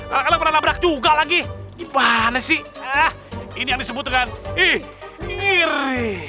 aduh kalian pernah nabrak juga lagi gimana sih ini yang disebut dengan hiri